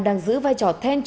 đang giữ vai trò thanh chí